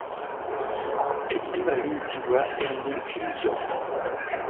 Eddiba liyitibwa endiikirizo.